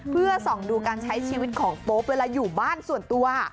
เพื่อส่องดูการใช้ชีวิตของโป๊ปเวลาอยู่บ้านส่วนตัว